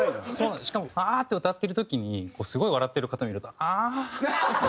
しかもああーって歌ってる時にすごい笑ってる方見るとああー。